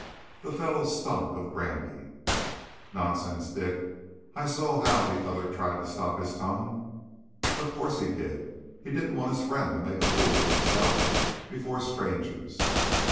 The fellow stunk of brandy." "Nonsense, Dick I you saw how the other tried to stop his tongue." "Of course he did. He didn't want his friend to make a fool of himself before strangers.